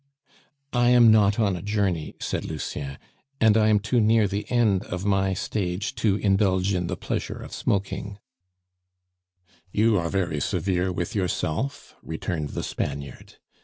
"I am not on a journey," said Lucien, "and I am too near the end of my stage to indulge in the pleasure of smoking " "You are very severe with yourself," returned the Spaniard.